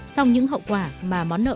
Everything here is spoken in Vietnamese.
sau những hậu quả mà món nợ